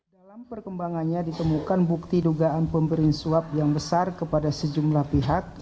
dalam perkembangannya ditemukan bukti dugaan pemberian suap yang besar kepada sejumlah pihak